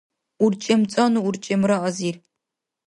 урчӀемцӀанну урчӀемра азир